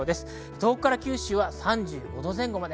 東北から九州は３５度前後です。